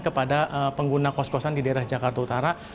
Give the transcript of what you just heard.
kepada pengguna kos kosan di daerah jakarta utara